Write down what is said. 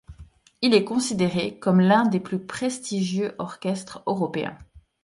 Il est considéré comme l'un des plus prestigieux orchestres européens.